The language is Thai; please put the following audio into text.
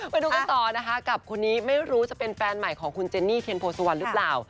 ไปดูกันต่อนะคะกับคนนี้ไม่รู้จะเป็นแฟนใหม่ของคุณเจนนี่เทียนโพสุวรรณหรือเปล่า